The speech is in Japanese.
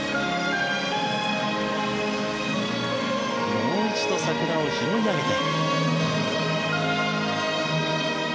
もう一度桜を拾い上げて。